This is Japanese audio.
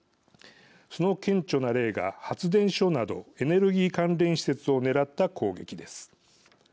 その顕著な例が発電所などエネルギー関連施設を狙った攻撃です。